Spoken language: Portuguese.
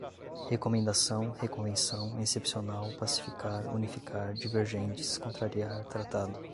recomendação, reconvenção, excepcional, pacificar, unificar, divergentes, contrariar, tratado